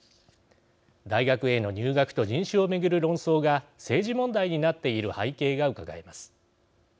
大学への入学と人種を巡る論争が政治問題になっている背景がうかがえます。